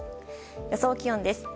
予想気温です。